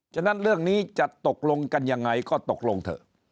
ฉะนั้นเรื่องนี้จะตกลงกันยังไงก็ตกลงเถอะ